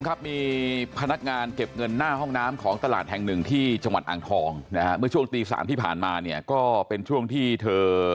ครับมีพนักงานเก็บเงินหน้าห้องน้ำของตลาดแห่งหนึ่งที่จังหวัดอ่างทองนะฮะเมื่อช่วงตีสามที่ผ่านมาเนี่ยก็เป็นช่วงที่เธอ